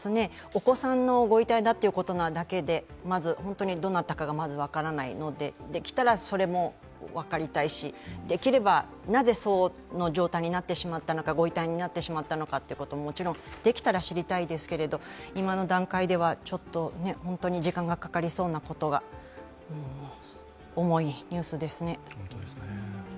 お子さんのご遺体だということでまずどなたかが分からないのでできたらそれも分かりたいしできればなぜ、その状態になってしまったのか、ご遺体になってしまったのかももちろん、できたら知りたいですけれど今の段階では本当に時間がかかりそうなことが、重いニュースですね